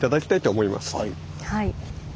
はい。